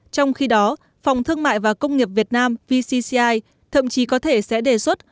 trong khi đó phòng thương mại và công nghiệp việt nam vcci thậm chí có thể sẽ đề xuất